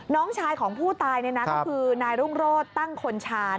น้องชายของผู้ตายก็คือนายรุ่งโรธตั้งคนชาญ